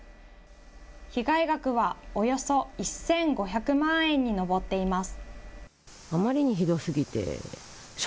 被害額はおよそ１５００万円に上っています。